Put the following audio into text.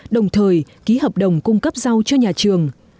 đồng thời ký hợp đồng cung cấp rau cho nhà trường